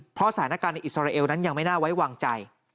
เพราะสถานการณ์ในอิสราเอลนั้นยังไม่น่าไว้วางใจ